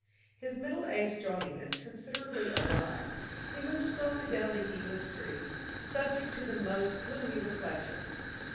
His middle aged jauntiness considerably awry, he moved slowly down the heedless street, subject to the most gloomy reflections.